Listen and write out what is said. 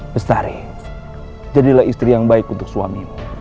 bestari jadilah istri yang baik untuk suamimu